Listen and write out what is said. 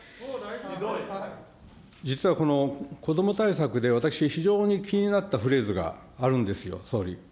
実はこのこども対策で私非常に気になったフレーズがあるんですよ、総理。